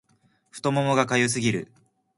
太ももが痒すぎる